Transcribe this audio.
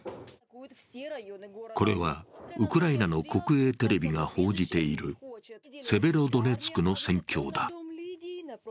これはウクライナの国営テレビが報じているセベロドネツクの戦況だ。